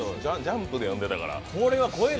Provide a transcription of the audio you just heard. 「ジャンプ」で読んでたから。